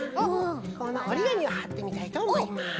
このおりがみをはってみたいとおもいます。